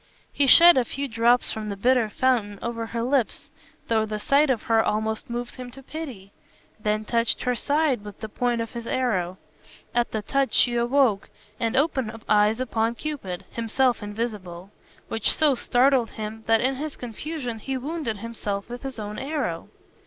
He shed a few drops from the bitter fountain over her lips, though the sight of her almost moved him to pity; then touched her side with the point of his arrow. At the touch she awoke, and opened eyes upon Cupid (himself invisible), which so startled him that in his confusion he wounded himself with his own arrow.